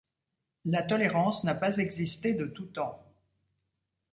La tolérance n'a pas existé de tout temps.